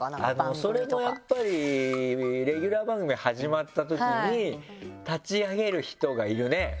それもやっぱりレギュラー番組始まったときに立ち上げる人がいるね。